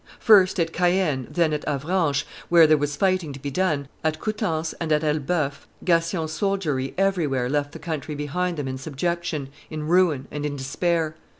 First at Caen, then at Avranches, where there was fighting to be done, at Coutances and at Elbeuf, Gassion's soldiery everywhere left the country behind them in subjection, in ruin, and in despair.